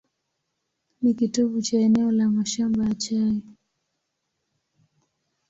Ni kitovu cha eneo la mashamba ya chai.